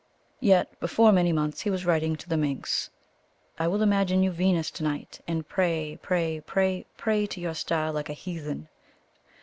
Yet before many months he was writing to the "minx," "I will imagine you Venus to night, and pray, pray, pray, pray to your star like a heathen."